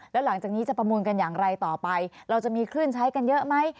แล้วหลังจากนี้จะประมูลกันอย่างไรต่อไปเราจะมีคลื่นใช้กันเยอะไหม